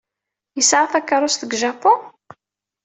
Yesɛa takeṛṛust deg Japun?